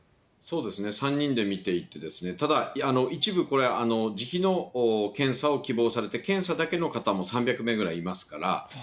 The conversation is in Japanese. そうですね、３人で診ていて、ただ、一部、これ、自費の検査を希望されて、検査だけの方も３００名ぐらいいますから。